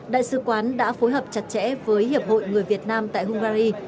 đại sứ quán đã phối hợp chặt chẽ với hiệp hội người việt nam tại hungary